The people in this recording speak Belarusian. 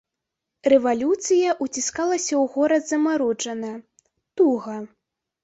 Рэвалюцыя ўціскалася ў горад замаруджана, туга.